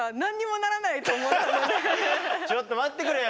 ちょっと待ってくれよ！